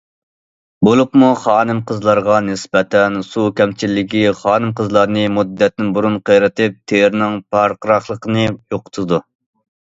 بولۇپمۇ خانىم- قىزلارغا نىسبەتەن، سۇ كەمچىللىكى خانىم- قىزلارنى مۇددەتتىن بۇرۇن قېرىتىپ، تېرىنىڭ پارقىراقلىقىنى يوقىتىدۇ.